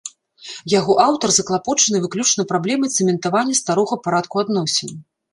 Яго аўтар заклапочаны выключна праблемай цэментавання старога парадку адносін.